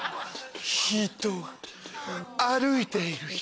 歩いている人。